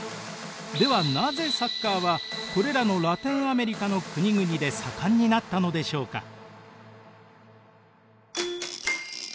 ではなぜサッカーはこれらのラテンアメリカの国々で盛んになったのでしょうか。